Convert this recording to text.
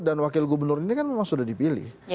dan wakil gubernur ini kan memang sudah dipilih